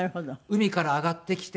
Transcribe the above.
海から上がってきて。